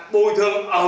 bồi thường ở mức độ nào